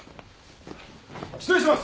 失礼します！